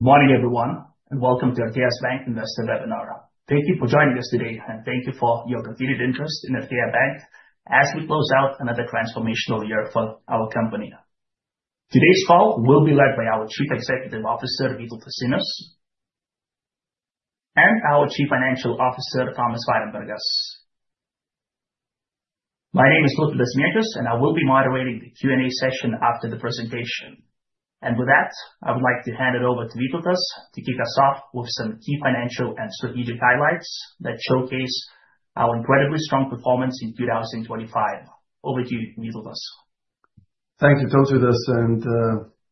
Morning, everyone, and welcome to the Artea Bank Investor Webinar. Thank you for joining us today and for your continued interest in Artea Bank as we close out another transformational year. Today's call will be led by our Chief Executive Officer, Vytautas Sinius, and our Chief Financial Officer, Tomas Varenbergas. My name is Tautvydas Mėdžius, and I will be moderating the Q&A session after the presentation. With that, I would like to hand it over to Vytautas to highlight key financial and strategic achievements in 2025. Over to you, Vytautas. Thank you,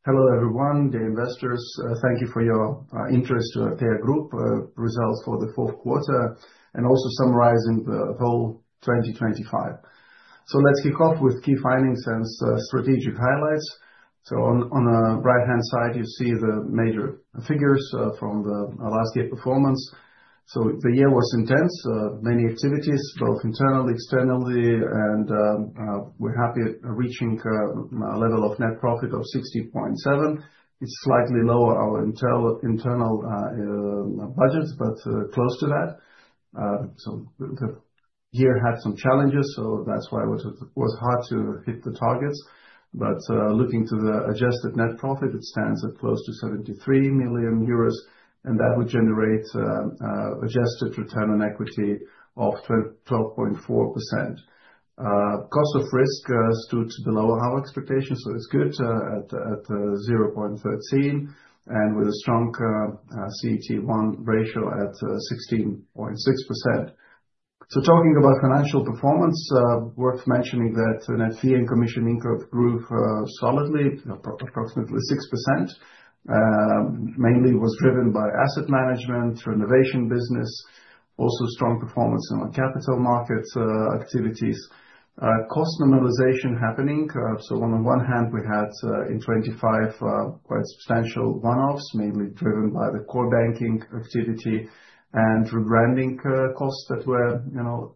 Hello, everyone, dear investors, and thank you for your interest in our group results for Q4 and for the full year 2025. Let's begin with key findings and strategic highlights. On the right-hand side, you can see the major figures from last year’s performance. The year was intense, with many internal and external activities, and we are pleased to report a net profit of 60.7 million. This is slightly below our internal budget but close to it. The year had some challenges, which made hitting targets difficult. Adjusted net profit stands at approximately 73 million euros, generating an adjusted return on equity of 12.4%. Cost of Risk remained below expectations at 0.13%, and the CET1 ratio is strong at 16.6%. Regarding financial performance, net fee and commission income grew approximately 6%, primarily driven by asset management, the renovation business, and strong capital markets activity. Cost normalization is underway. In 2025, we had substantial one-offs, mainly from the Core Banking activity and rebranding costs, which were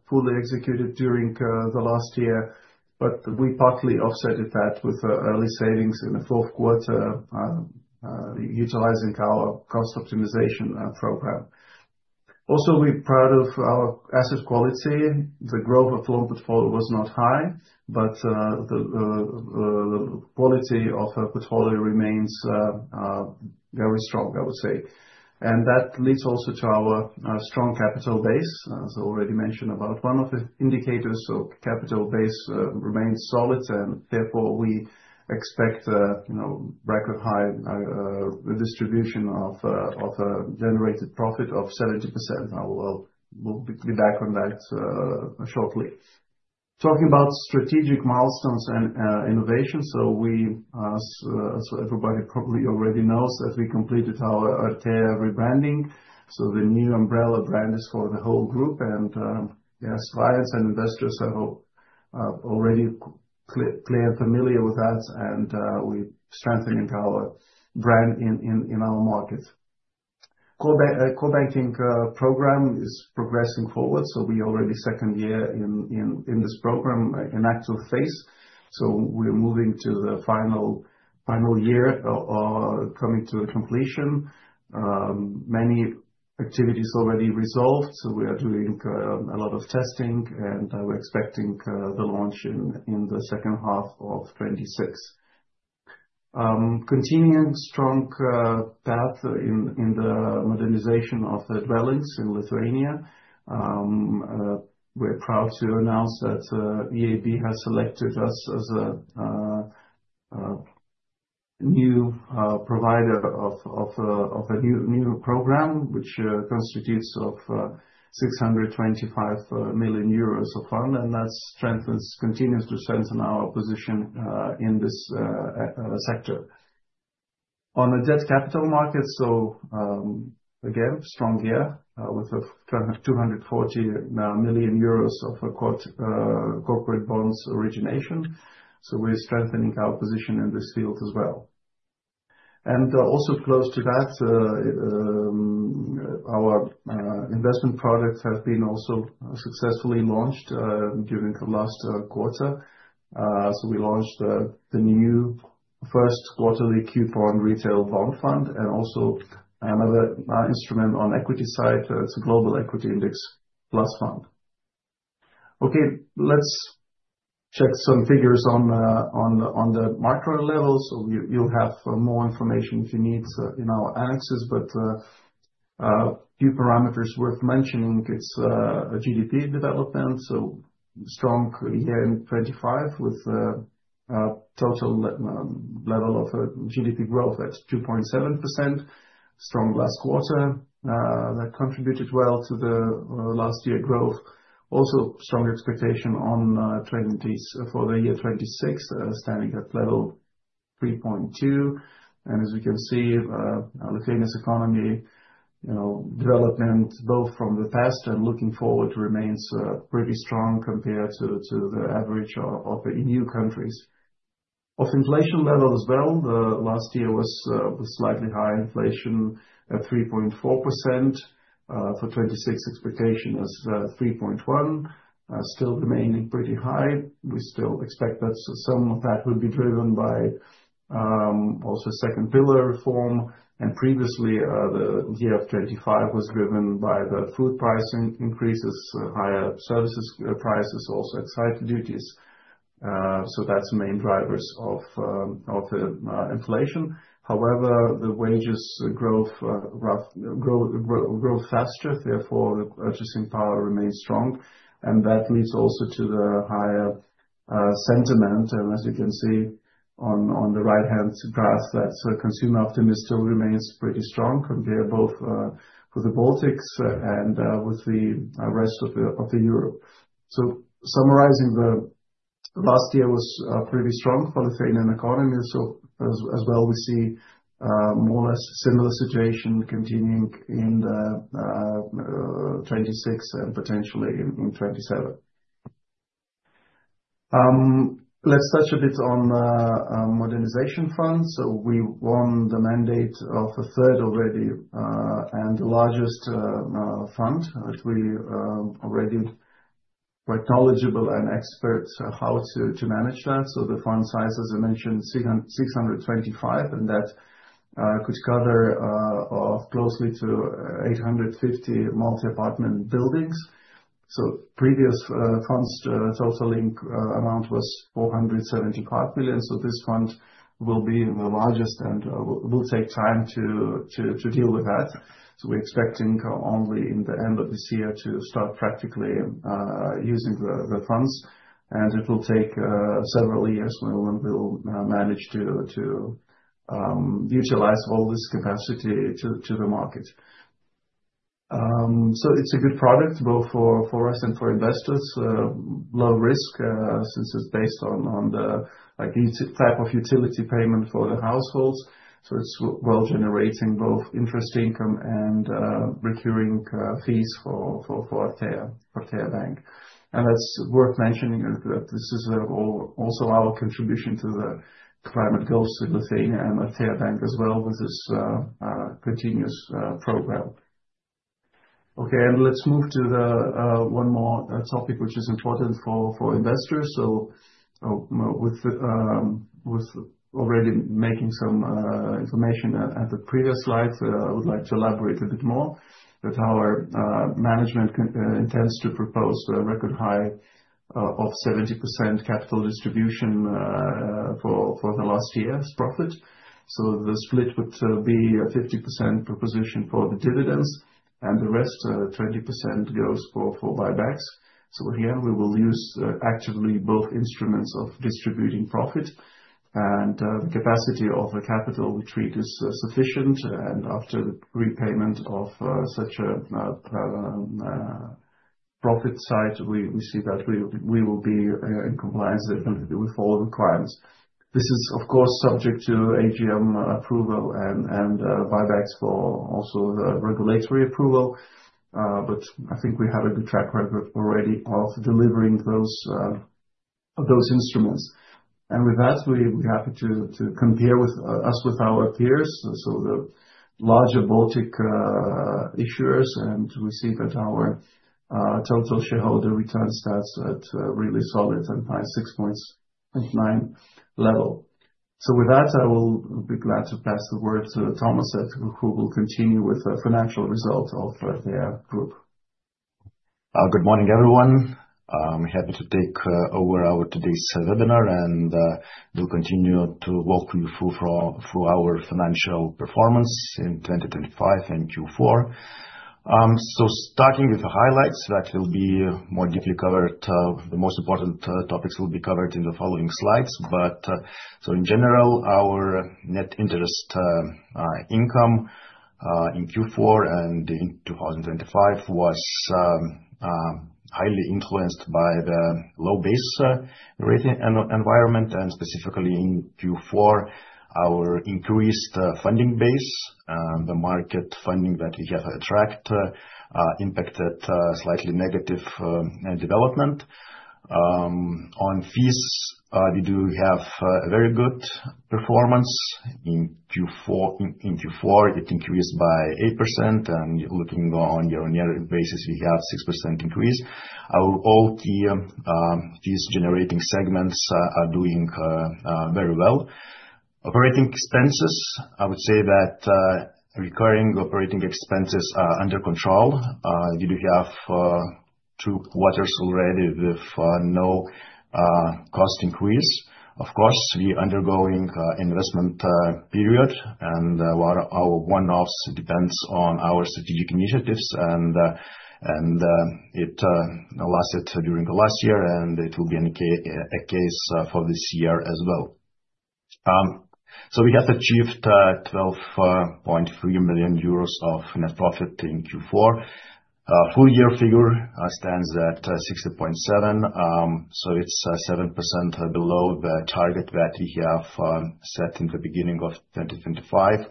fully executed last year. These were partially offset by early savings in Q4 through our cost optimization program. We are proud of our asset quality. Loan portfolio growth was modest, but the quality of our portfolio remains very strong. This contributes to our robust capital base, which remains solid. Therefore, we expect a record-high profit distribution of 70%, which we will discuss shortly. Regarding strategic milestones and innovation, as many of you know, we completed our rebranding, establishing a new umbrella brand for the entire group. Clients and investors are already familiar with it, and we are strengthening our brand across our markets. The Core Banking program is progressing well. We are in the second year of the program and moving toward completion. Many activities have already been resolved, and extensive testing is ongoing, with a launch expected in the second half of 2026. We continue to advance the modernization of the banking sector in Lithuania. We are proud to announce that EIB has selected us as the provider of a new EUR 625 million fund, further strengthening our position in this sector. On the debt capital market, it was another strong year, with approximately EUR 240 million in corporate bond origination. We are strengthening our position in this field. Additionally, our investment products were successfully launched in Q4, including the new first quarterly coupon retail bond fund and the Global Equity Index Plus fund on the equity side. For further details, please refer to the annexes. One notable metric to highlight is GDP development. It was a strong year in 2025, with total GDP growth of 2.7%. A strong last quarter contributed positively to the full-year growth. Expectations for 2026 are also strong, at around 3.2%. As you can see, Lithuania’s economic development, both historically and looking forward, remains quite strong compared to the average of EU countries. Inflation last year was slightly higher at 3.4%. For 2026, expectations are around 3.1%, still remaining relatively high. We still expect that some of this will also be driven by the second pillar reform. Previously, in 2025, inflation was driven by food price increases, higher service prices, and excise duties — these were the main drivers. However, wage growth was faster, and therefore purchasing power remains strong, which also leads to higher sentiment. As you can see on the right-hand graph, consumer optimism remains quite strong compared both within the Baltics and with the rest of Europe. In summary, last year was strong for the Lithuanian economy, and we see a similar situation continuing in 2026 and potentially in 2027. Let's touch briefly on modernization funds. We won the mandate for the third fund already, and it is the largest one so far, meaning we are quite knowledgeable and experienced in managing it. As I mentioned, the fund size is 625 million, which could cover close to 850 multi-apartment buildings. Previous funds totaled 475 million. This fund will be the largest and will take time to deploy. We expect that only toward the end of this year we will start practically using the funds. It will take several years to utilize the full capacity in the market. It is a good product for both us and investors. Low risk, since it's based on the type of utility payment for the households. It's well generating both interest income and recurring fees for Artea Bank. It's worth mentioning that this is also our contribution to the climate goals in Lithuania and Artea Bank as well, with this continuous program. Let's move to the one more topic, which is important for investors. With already making some information at the previous slide, I would like to elaborate a bit more, that our management intends to propose a record high of 70% capital distribution for the last year's profit. The split would be a 50% proposition for the dividends, and the rest, 20% goes for buybacks. Again, we will use actively both instruments of distributing profit. The capacity of the capital we treat is sufficient, and after the repayment of such a profit side, we see that we will be in compliance with all requirements. This is, of course, subject to AGM approval and buybacks for also the regulatory approval. But I think we have a good track record already of delivering those instruments. With that, we're happy to compare with us with our peers. The larger Baltic issuers, and we see that our Total Shareholder Return stats at really solid and high 6.9% level. With that, I will be glad to pass the word to Tomas, who will continue with the financial results of Artea Bankas Group. Good morning, everyone. I'm happy to take over our today's webinar, and we'll continue to walk you through our financial performance in 2025 and Q4. Starting with the highlights, that will be more deeply covered, the most important topics will be covered in the following slides. In general, our net interest income in Q4 and in 2025 was highly influenced by the low base, rating environment, and specifically in Q4, our increased funding base. The market funding that we have attract, impacted slightly negative development. On fees, we do have a very good performance in Q4. In Q4, it increased by 8%, and looking on year-on-year basis, we have 6% increase. Our Artea fees-generating segments are doing very well. Operating expenses, I would say that recurring operating expenses are under control. We do have 2 quarters already with no cost increase. Of course, we undergoing investment period, and our one-offs depends on our strategic initiatives, and it lasted during the last year, and it will be a case for this year as well. We have achieved 12.3 million euros of net profit in Q4. Full year figure stands at 60.7 million, so it's 7% below the target that we have set in the beginning of 2025.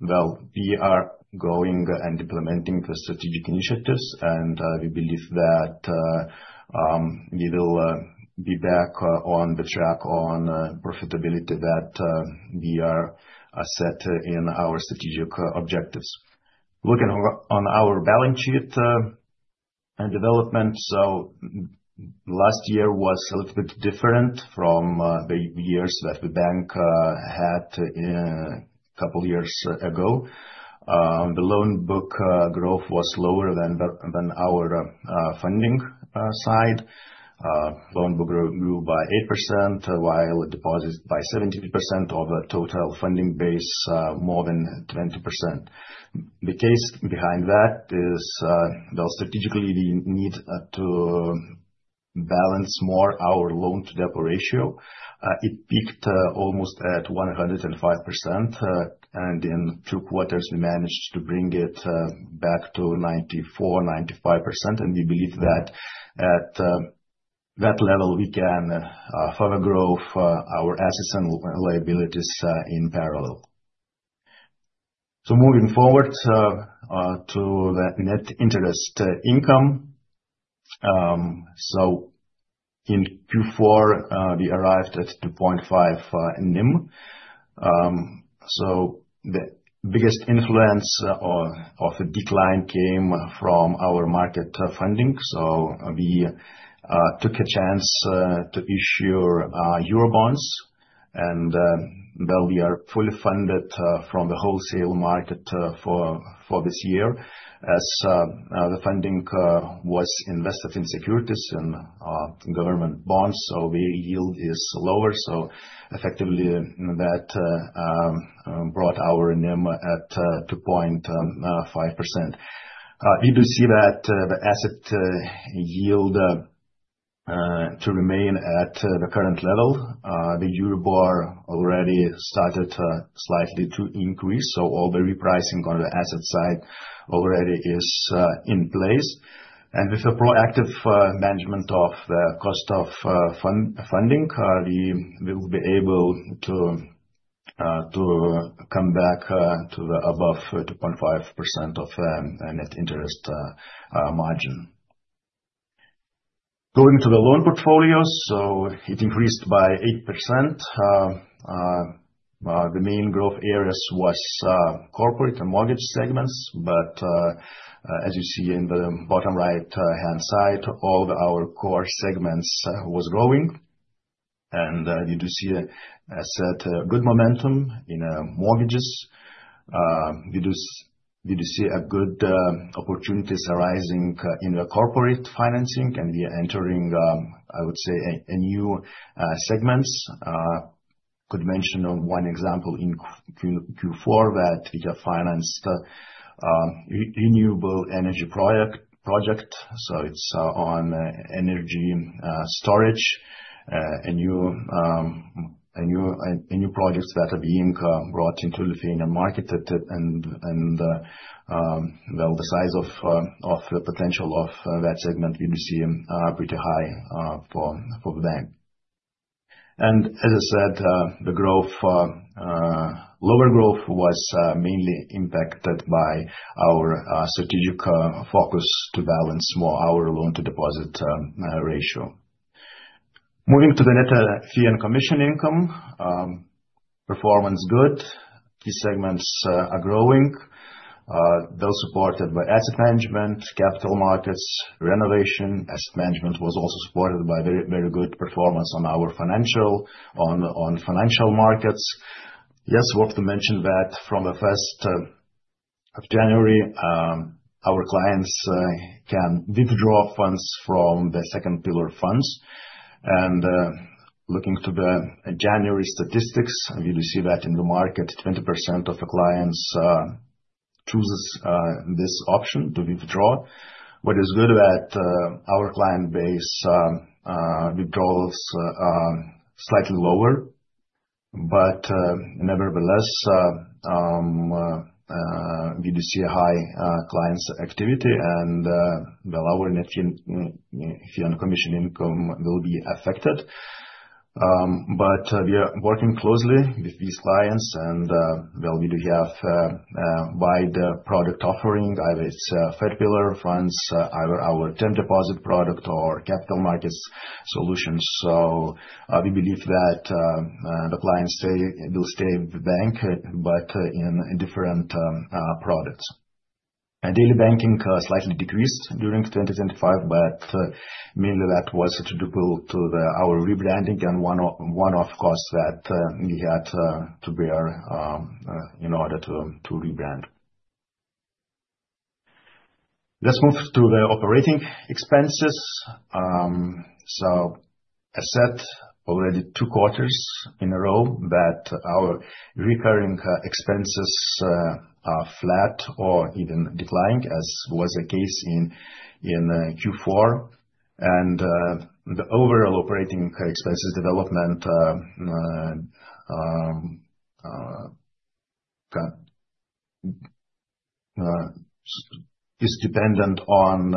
Well, we are growing and implementing the strategic initiatives, and we believe that we will be back on the track on profitability that we are set in our strategic objectives. Looking on our balance sheet. Development, so last year was a little bit different from the years that the bank had in a couple years ago. The loan book growth was slower than our funding side. Loan book grew by 8%, while deposits by 17% of the total funding base, more than 20%. The case behind that is, well, strategically, we need to balance more our loan-to-deposit ratio. It peaked almost at 105%, and in 2 quarters, we managed to bring it back to 94%-95%, and we believe that at that level, we can further grow our assets and liabilities in parallel. Moving forward to the net interest income. In Q4, we arrived at 2.5% NIM. The biggest influence of the decline came from our market funding. We took a chance to issue Eurobonds and, well, we are fully funded from the wholesale market for this year, as the funding was invested in securities and government bonds, so the yield is lower. Effectively, that brought our NIM at 2.5%. We do see that the asset yield to remain at the current level. The Euribor already started slightly to increase, so all the repricing on the asset side already is in place. With a proactive management of the cost of funding, we will be able to come back to the above 2.5% of net interest margin. Going to the loan portfolio, it increased by 8%. The main growth areas was corporate and mortgage segments, as you see in the bottom right hand side, all of our core segments was growing. You do see good momentum in mortgages. We do see good opportunities arising in the corporate financing, and we are entering, I would say, new segments. Could mention one example in Q4, that we just financed renewable energy project, so it's on energy storage. A new projects that have been brought into Lithuanian market, well, the size of the potential of that segment, we see pretty high for the bank. As I said, the growth, lower growth was mainly impacted by our strategic focus to balance more our loan-to-deposit ratio. Moving to the net fee and commission income, performance good. These segments are growing, those supported by asset management, capital markets, renovation. Asset management was also supported by very good performance on our financial markets. Worth to mention that from the first of January, our clients can withdraw funds from the second pillar funds. Looking to the January statistics, we do see that in the market, 20% of the clients chooses this option to withdraw. What is good about our client base, withdrawals are slightly lower, nevertheless, we do see a high clients activity and well, our net fee and commission income will be affected. We are working closely with these clients, and, well, we do have wide product offering, either it's third pillar funds, either our term deposit product or capital markets solutions. We believe that the clients stay, will stay with the bank, but in different products. Daily banking slightly decreased during 2025, but mainly that was attributable to the, our rebranding and one-off cost that we had to bear in order to rebrand. Let's move to the operating expenses. I said already 2 quarters in a row that our recurring expenses are flat or even declining, as was the case in Q4. The overall operating expenses development is dependent on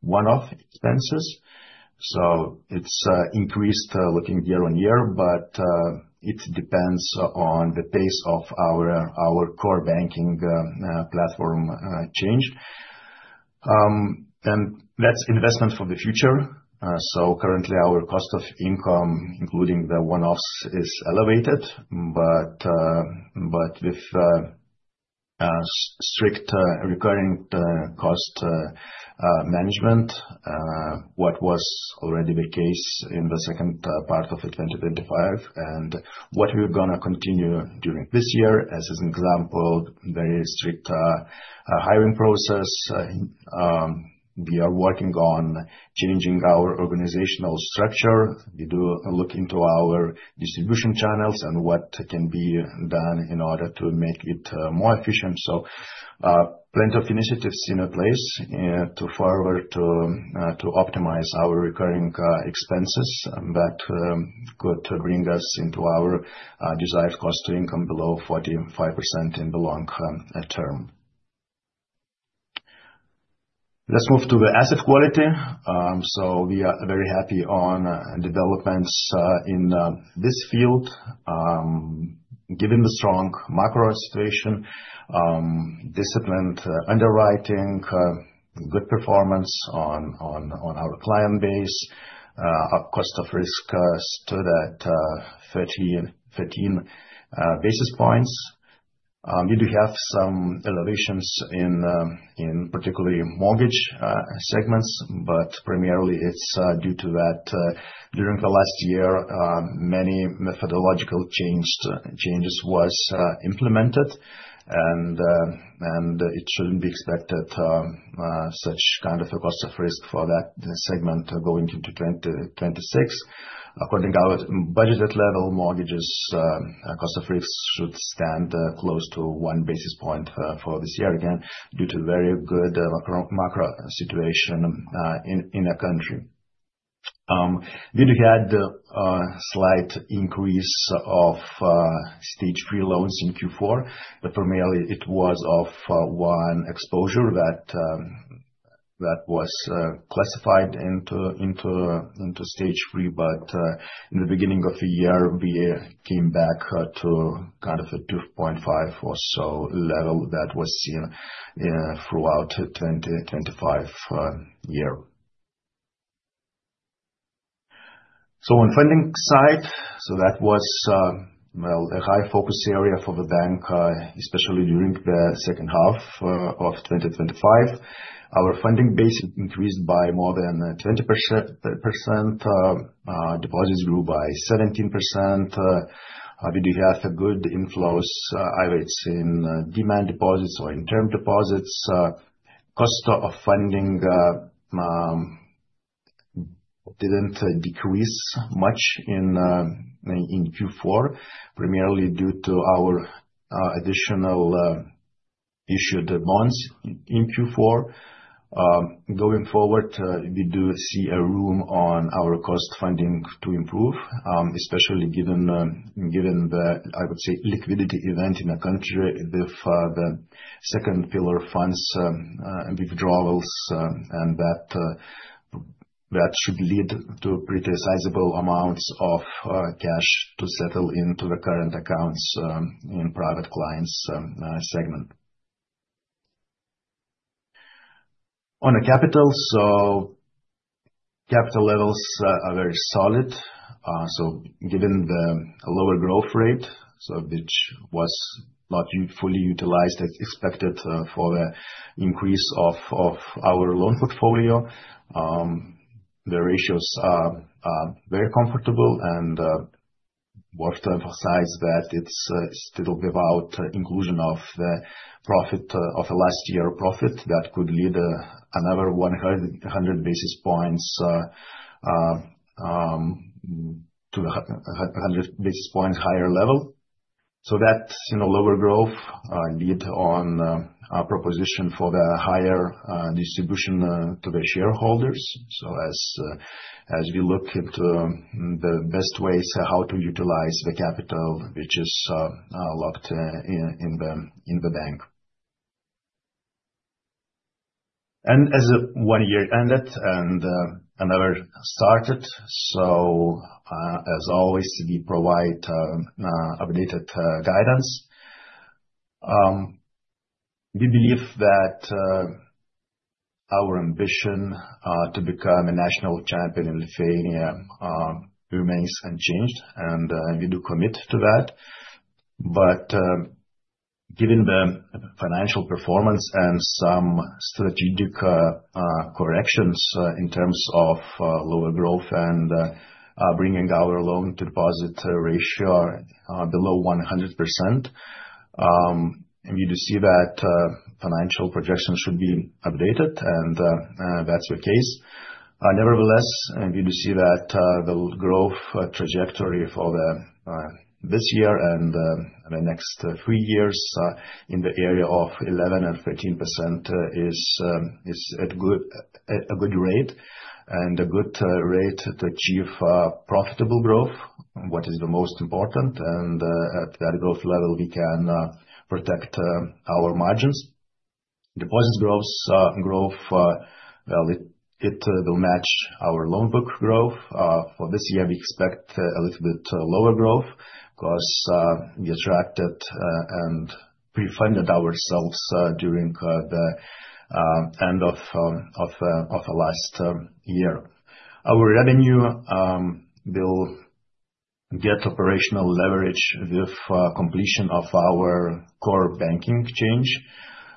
one-off expenses, so it's increased year-on-year, but it depends on the pace of our Core Banking platform change. That's investment for the future. Currently, our cost of income, including the one-offs, is elevated, but with strict recurring cost management, what was already the case in the second part of 2025, and what we're gonna continue during this year. As an example, very strict hiring process. We are working on changing our organizational structure. We do look into our distribution channels and what can be done in order to make it more efficient. Plenty of initiatives in place to forward to optimize our recurring expenses, but could bring us into our desired cost-to-income below 45% in the long term. Let's move to the asset quality. We are very happy on developments in this field. Given the strong macro situation, disciplined underwriting, good performance on our client base, our Cost of Risk stood at 13 basis points. We do have some elevations in particularly mortgage segments, but primarily it's due to that during the last year many methodological changes was implemented, and it shouldn't be expected such kind of a Cost of Risk for that segment going into 2026. According to our budgeted level, mortgages, Cost of Risk should stand close to 1 basis point for this year, again, due to very good macro situation in the country. We did had a slight increase of Stage 3 loans in Q4, but primarily it was of one exposure that was classified into Stage 3. In the beginning of the year, we came back to kind of a 2.5 or so level that was seen throughout the 2025 year. On funding side, that was well, a high focus area for the bank especially during the second half of 2025. Our funding base increased by more than 20%. Deposits grew by 17%. We do have good inflows, either it's in demand deposits or in term deposits. Cost of funding didn't decrease much in Q4, primarily due to our additional issued demands in Q4. Going forward, we do see a room on our cost funding to improve, especially given the, I would say, liquidity event in the country with the second pillar funds withdrawals, that should lead to pretty sizable amounts of cash to settle into the current accounts in private clients segment. On the capital levels are very solid. Given the lower growth rate, so which was not fully utilized as expected, for the increase of our loan portfolio, the ratios are very comfortable and worth to emphasize that it's still without inclusion of the profit of the last year profit that could lead another 100 basis points to a 100 basis points higher level. That's in a lower growth, indeed, on our proposition for the higher distribution to the shareholders. As we look into the best ways how to utilize the capital, which is locked in the bank. As one year ended and another started, as always, we provide updated guidance. We believe that our ambition to become a national champion in Lithuania remains unchanged, and we do commit to that. Given the financial performance and some strategic corrections in terms of lower growth and bringing our loan-to-deposit ratio below 100%, we do see that financial projections should be updated, and that's the case. Nevertheless, we do see that the growth trajectory for this year and the next 3 years in the area of 11% and 13% is a good, at a good rate and a good rate to achieve profitable growth, what is the most important, and at that growth level, we can protect our margins. Deposit growth, it will match our loan book growth. For this year, we expect a little bit lower growth because we attracted and we funded ourselves during the end of the last year. Our revenue will get operational leverage with completion of our Core Banking change.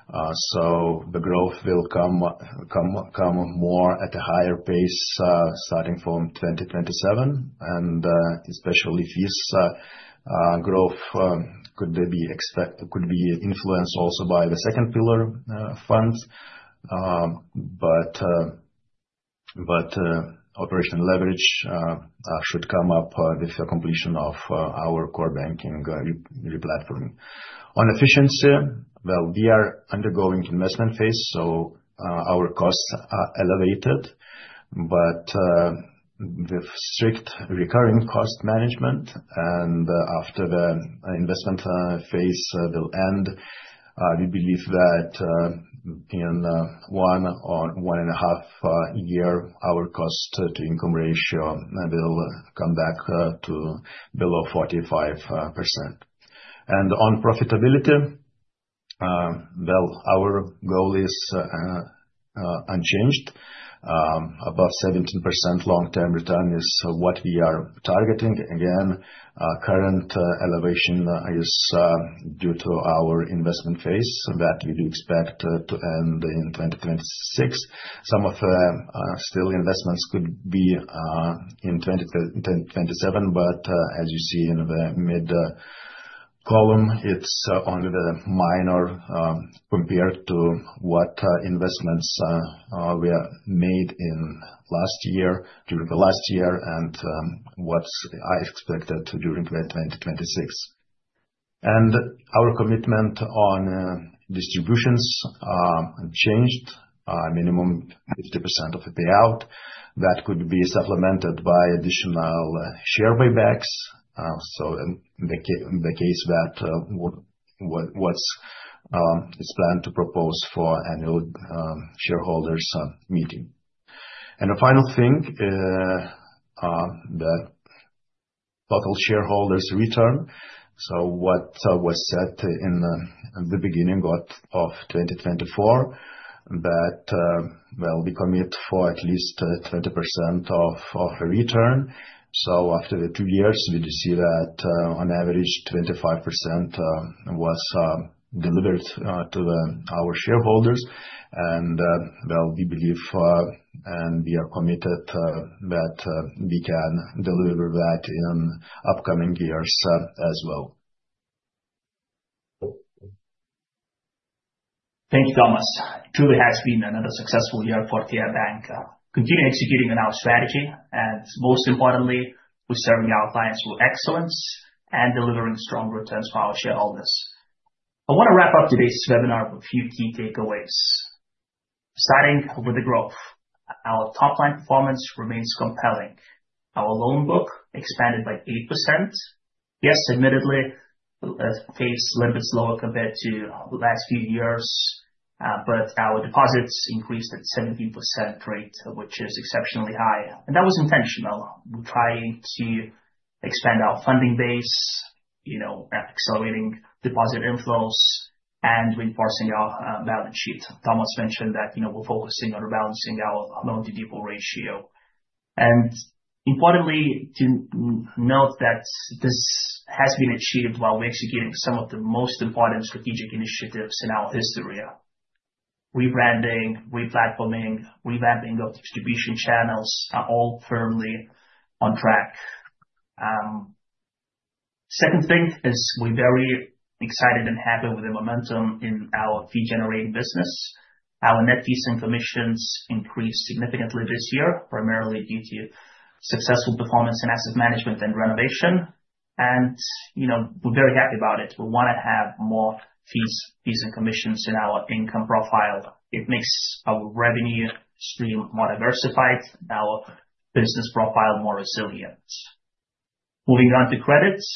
The growth will come more at a higher pace starting from 2027. Especially this growth could be influenced also by the second pillar funds. Operational leverage should come up with the completion of our Core Banking replatforming. On efficiency, we are undergoing investment phase, our costs are elevated. With strict recurring cost management, and after the investment phase will end, we believe that in 1 or 1.5 year, our cost-to-income ratio will come back to below 45%. On profitability, well, our goal is unchanged. Above 17% long-term return is what we are targeting. Again, our current elevation is due to our investment phase that we do expect to end in 2026. Some of the still investments could be in 2027, as you see in the mid column, it's only the minor compared to what investments were made during the last year, and what I expected during 2026. Our commitment on distributions unchanged, minimum 50% of the payout. That could be supplemented by additional share buybacks, so in the case that what's planned to propose for annual shareholders meeting. The final thing, the Total Shareholder Return. What was said in the beginning of 2024, that, well, we commit for at least 20% of return. After the two years, we do see that on average 25% was delivered to our shareholders. Well, we believe and we are committed that we can deliver that in upcoming years as well. Thank you, Tomas. It truly has been another successful year for Artea Bank. Most importantly, we're serving our clients with excellence and delivering strong returns to our shareholders. I wanna wrap up today's webinar with a few key takeaways. Starting with the growth, our top line performance remains compelling. Our loan book expanded by 8%. Yes, admittedly, pace little bit slower compared to the last few years, our deposits increased at 17% rate, which is exceptionally high, and that was intentional. We're trying to expand our funding base, you know, accelerating deposit inflows and reinforcing our balance sheet. Tomas mentioned that, you know, we're focusing on rebalancing our loan-to-deposit ratio. Importantly to note that this has been achieved while executing some of the most important strategic initiatives in our history. Rebranding, replatforming, revamping our distribution channels are all firmly on track. Second thing is we're very excited and happy with the momentum in our fee-generating business. Our net fees and commissions increased significantly this year, primarily due to successful performance in asset management and renovation, and, you know, we're very happy about it. We wanna have more fees and commissions in our income profile. It makes our revenue stream more diversified, our business profile more resilient. Moving on to credits.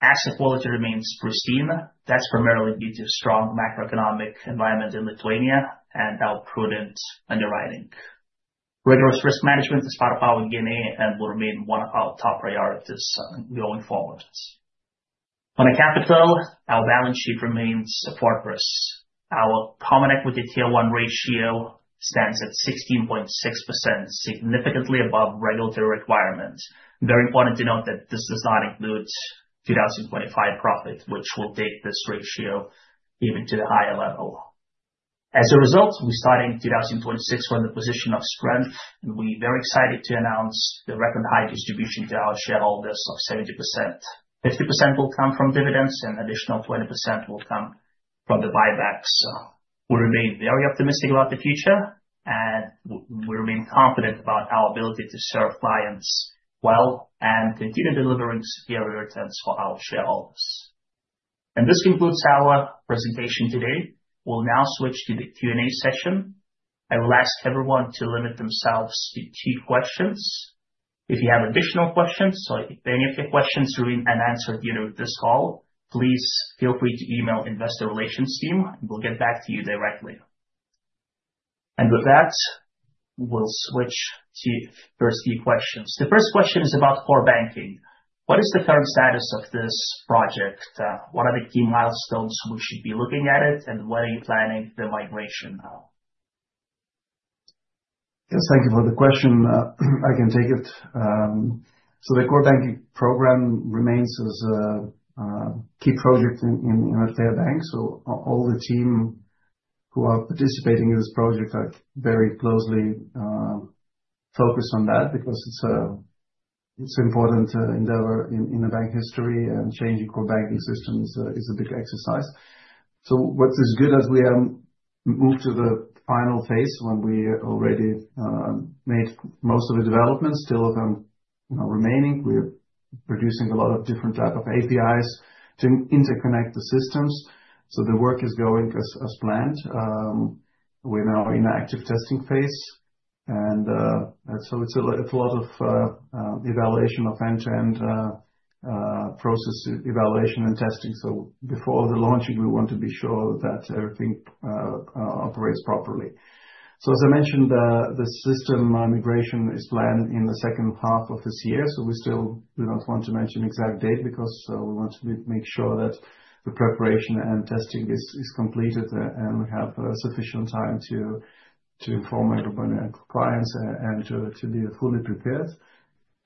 Asset quality remains pristine. That's primarily due to strong macroeconomic environment in Lithuania and our prudent underwriting. Rigorous risk management is part of our DNA and will remain one of our top priorities going forward. On the capital, our balance sheet remains a fortress. Our Common Equity Tier 1 ratio stands at 16.6%, significantly above regulatory requirements. Very important to note that this does not include 2025 profit, which will take this ratio even to the higher level. We start in 2026 with a position of strength, and we're very excited to announce the record high distribution to our shareholders of 70%. 50% will come from dividends, and additional 20% will come from the buybacks. We remain very optimistic about the future, and we remain confident about our ability to serve clients well and continue delivering superior returns for our shareholders. This concludes our presentation today. We'll now switch to the Q&A session. I will ask everyone to limit themselves to key questions. If you have additional questions, or if any of your questions remain unanswered during this call, please feel free to email investor relations team, and we'll get back to you directly. With that, we'll switch to first few questions. The first question is about Core Banking: What is the current status of this project? What are the key milestones we should be looking at it, and when are you planning the migration out? Yes, thank you for the question. I can take it. The Core Banking program remains as a key project in our bank. All the team who are participating in this project are very closely focused on that, because it is an important endeavor in the bank history, and changing Core Banking systems is a big exercise. What is good as we move to the final phase, when we already made most of the developments, still, you know, remaining. We are producing a lot of different type of APIs to interconnect the systems, so the work is going as planned. We are now in active testing phase, and so it is a lot, it is a lot of evaluation of end-to-end process evaluation and testing. Before the launching, we want to be sure that everything operates properly. As I mentioned, the system migration is planned in the 2nd half of this year, we still don't want to mention exact date, because we want to make sure that the preparation and testing is completed, and we have sufficient time to inform everybody, our clients, and to be fully prepared.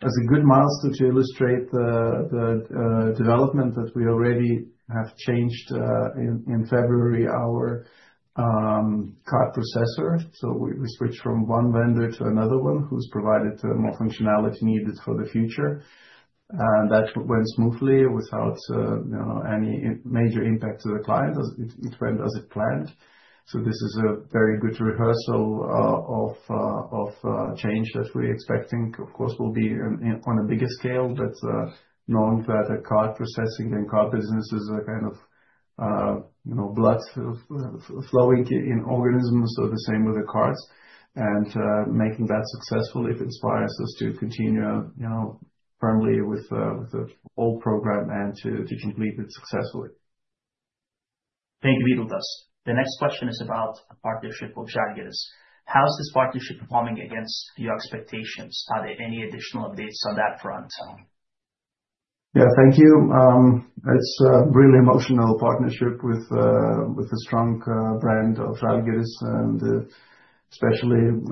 As a good master to illustrate the development, that we already have changed in February, our card processor. We switched from one vendor to another one, who's provided more functionality needed for the future. That went smoothly without, you know, any major impact to the client, as it went as it planned. This is a very good rehearsal of change that we're expecting. Of course, will be on a bigger scale, but knowing that a card processing and card business is a kind of, you know, blood flowing in organisms, so the same with the cards. Making that successful, it inspires us to continue, you know, firmly with the whole program and to complete it successfully. Thank you, Vytautas. The next question is about a partnership with Žalgiris. How is this partnership performing against your expectations? Are there any additional updates on that front? Yeah, thank you. It's a really emotional partnership with the strong brand of Žalgiris. Especially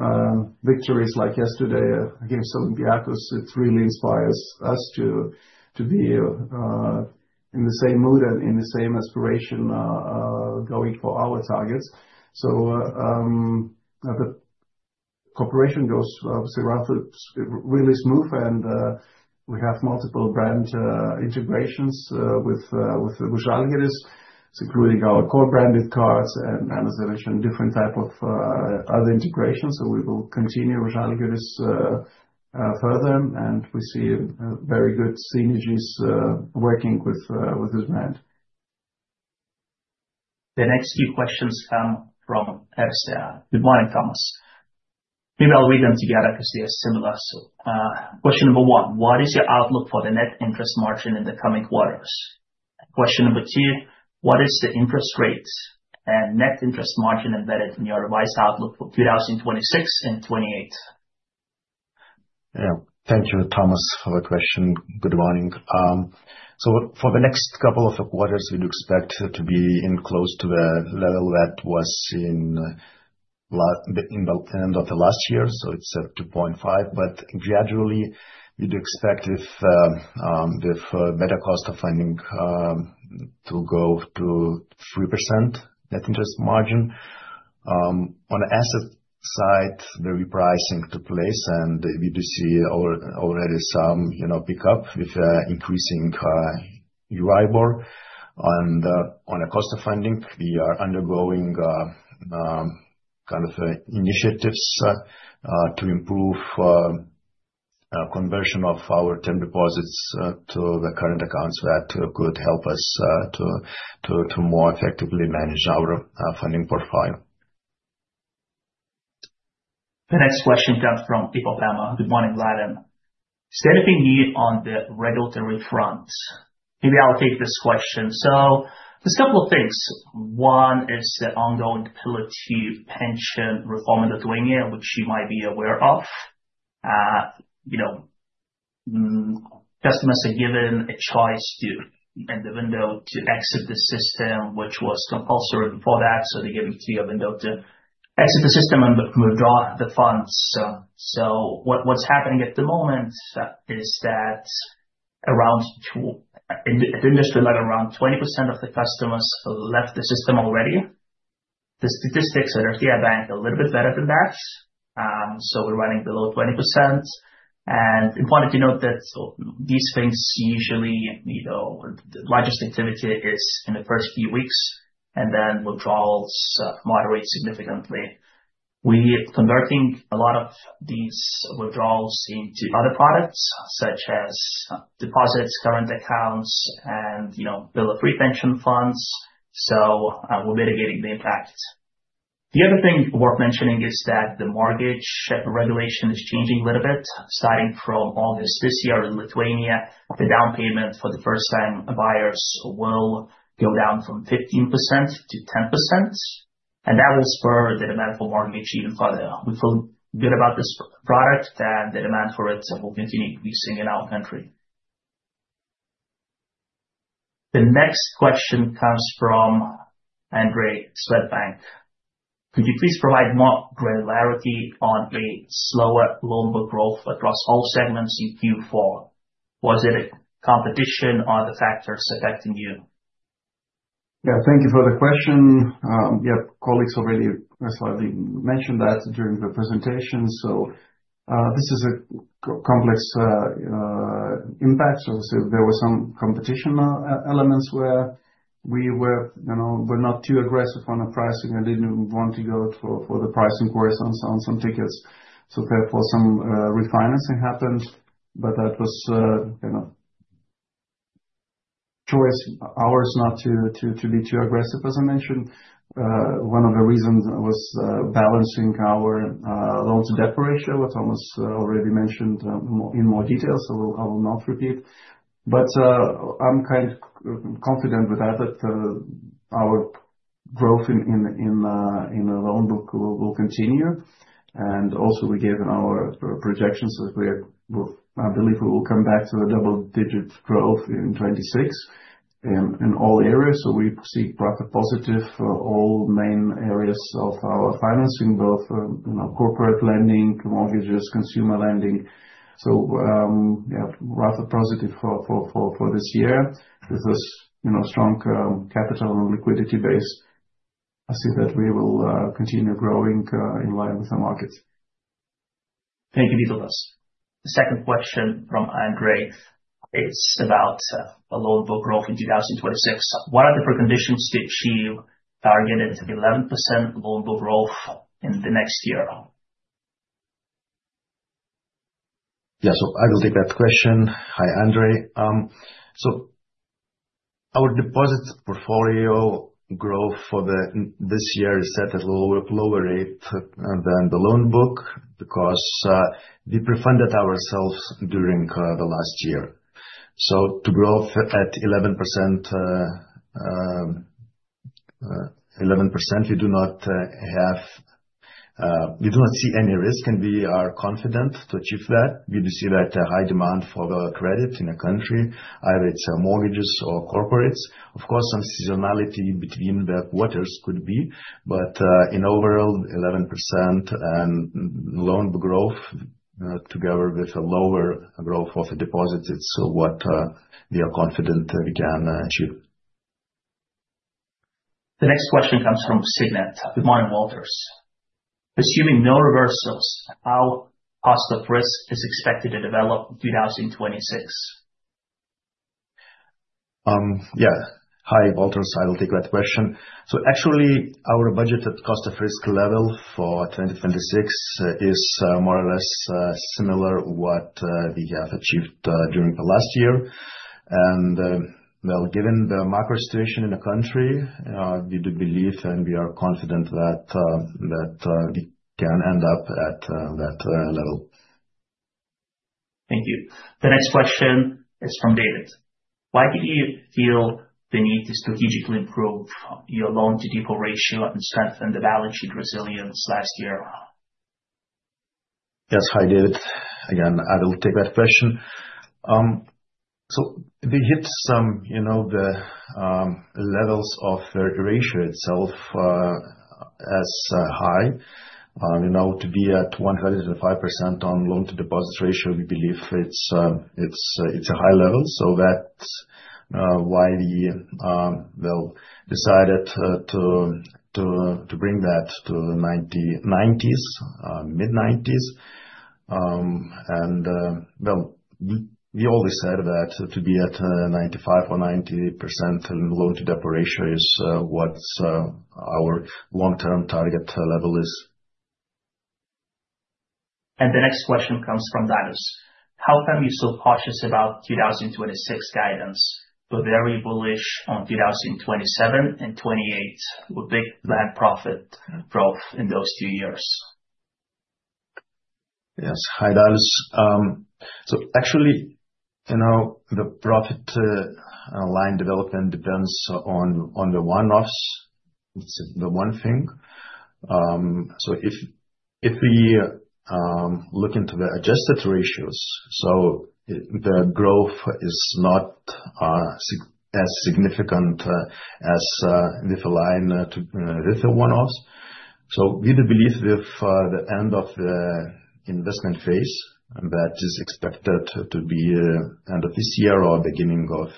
victories like yesterday against Olympiacos, it really inspires us to be in the same mood and in the same aspiration going for our targets. The cooperation goes obviously rather, really smooth. We have multiple brand integrations with Žalgiris, including our core branded cards and, as I mentioned, different type of other integrations. We will continue with Žalgiris further, and we see very good synergies working with this brand. The next few questions come from EPSA. Good morning, Tomas. Maybe I'll read them together, because they are similar. Question 1: What is your outlook for the net interest margin in the coming quarters? Question 2: What is the interest rates and net interest margin embedded in your revised outlook for 2026 and 2028? Thank you, Thomas, for the question. Good morning. For the next couple of quarters, we'd expect to be in close to the level that was in the end of the last year, so it's 2.5%. Gradually, we'd expect if with better cost of funding to go to 3% net interest margin. On the asset side, the repricing took place, and we do see already some, you know, pickup with increasing EURIBOR. On the cost of funding, we are undergoing kind of initiatives to improve conversion of our term deposits to the current accounts, that could help us to more effectively manage our funding profile. The next question comes from IBM. Good morning, Vladislovas Is there anything new on the regulatory front? Maybe I'll take this question. There's several things. One is the ongoing Pillar II pension reform in Lithuania, which you might be aware of. You know, customers are given a choice to, and the window to exit the system, which was compulsory before that, so they gave it to you, a window to exit the system and withdraw the funds. What's happening at the moment, in industry, around 20% of the customers left the system already. The statistics at Nordea Bank are a little bit better than that, we're running below 20%. Important to note that, these things usually, you know, the largest activity is in the first few weeks, and then withdrawals moderate significantly. We're converting a lot of these withdrawals into other products, such as deposits, current accounts, and, you know, third pillar pension funds, we're mitigating the impact. The other thing worth mentioning is that the mortgage regulation is changing a little bit. Starting from August this year in Lithuania, the down payment for the first-time buyers will go down from 15% to 10%, that will spur the demand for mortgage even further. We feel good about this product, the demand for it will continue increasing in our country. The next question comes from Andre, SEB Bank. Could you please provide more granularity on the slower loan book growth across all segments in Q4? Was it a competition or the factors affecting you? Yeah, thank you for the question. Yeah, colleagues already, as already mentioned that during the presentation. This is a complex impact. There were some competition elements where we were, you know, not too aggressive on the pricing and didn't want to go for the pricing course on some tickets. Therefore, some refinancing happened, but that was, you know, choice ours not to be too aggressive, as I mentioned. One of the reasons was balancing our loan-to-deposit ratio, which Thomas already mentioned in more detail, I will not repeat. I'm kind of confident with that our growth in the loan book will continue. We gave in our projections that we're, well, I believe we will come back to the double digit growth in 2026 in all areas. We see rather positive for all main areas of our financing, both, you know, corporate lending, mortgages, consumer lending. Yeah, rather positive for this year. With this, you know, strong capital and liquidity base, I see that we will continue growing in line with the market. Thank you, Vytautas. The second question from Andre. It's about the loan book growth in 2026. What are the preconditions to achieve our unit of 11% loan book growth in the next year? I will take that question. Hi, Andre. Our deposits portfolio growth for this year is set at a lower rate than the loan book, because we pre-funded ourselves during the last year. To grow at 11%, 11%, we do not have, we do not see any risk, and we are confident to achieve that. We do see that a high demand for the credit in the country, either it's mortgages or corporates. Of course, some seasonality between the quarters could be, but in overall, 11% and loan growth together with a lower growth of deposits, it's what we are confident we can achieve. The next question comes from Signet Bank. Good morning, Valters. Assuming no reversals, how Cost of Risk is expected to develop in 2026? Yeah. Hi, Valters, I will take that question. Actually, our budgeted Cost of Risk level for 2026 is more or less similar what we have achieved during the last year. Well, given the macro situation in the country, we do believe and we are confident that we can end up at that level. Thank you. The next question is from David: Why did you feel the need to strategically improve your loan-to-deposit ratio and strengthen the balance sheet resilience last year? Yes, hi, David,, I will take that question. So we hit some, you know, the levels of the ratio itself as high. You know, to be at 105% on loan-to-deposit ratio, we believe it's a high level, so that's why we decided to bring that to 90s, mid-90s. And well, we always said that to be at 95% or 90% in loan-to-deposit ratio is what our long-term target level is. The next question comes from Dallas: How come you're so cautious about 2026 guidance, but very bullish on 2027 and 2028? With big net profit growth in those two years? Yes. Hi, Dallas. Actually, you know, the profit line development depends on the one-offs. This is the one thing. If we look into the adjusted ratios, the growth is not as significant as with the line to with the one-offs. We do believe with the end of the investment phase, that is expected to be end of this year or beginning of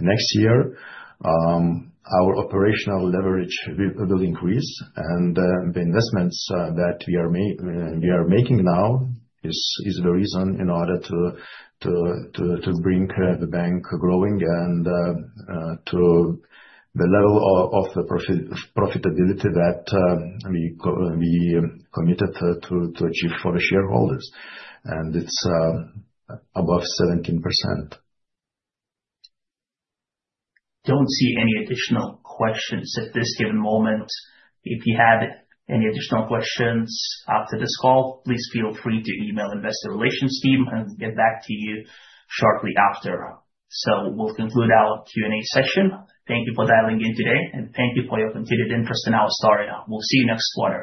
next year, our operational leverage will increase, and the investments that we are making now is the reason in order to bring the bank growing and to the level of the profitability that we committed to achieve for the shareholders, and it's above 17%. Don't see any additional questions at this given moment. If you have any additional questions after this call, please feel free to email investor relations team and get back to you shortly after. We'll conclude our Q&A session. Thank you for dialing in today, and thank you for your continued interest in our story. We'll see you next quarter.